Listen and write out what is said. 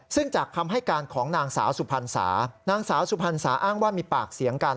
ซึ่งจากคำให้การของนางสาวสุพรรณสานางสาวสุพรรณสาอ้างว่ามีปากเสียงกัน